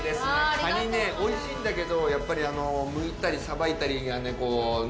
かにおいしいんだけどやっぱり剥いたりさばいたりがこうね。